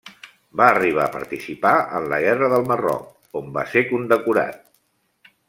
Va arribar a participar en la guerra del Marroc, on va ser condecorat.